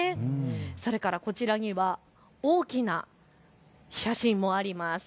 それからこちらには大きな写真もあります。